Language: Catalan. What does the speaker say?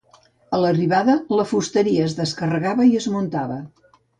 A l'arribada, la fusteria es descarregava i es muntava.